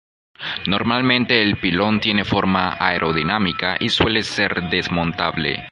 Normalmente el pilón tiene forma aerodinámica y suele ser desmontable.